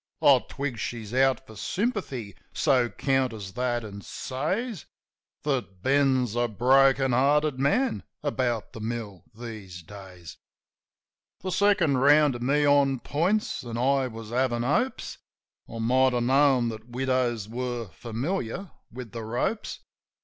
I twig she's out for sympathy; so counters that, an' says That Ben's a broken hearted man about the mill these days. The second round to me on points; an' I was havin' hopes. (I might have known that widows were familiar with the ropes.)